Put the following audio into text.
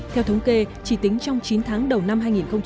theo thống kê chỉ tính trong chín tháng đầu năm hai nghìn một mươi chín